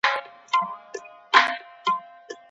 ایا افغان سوداګر وچ توت پلوري؟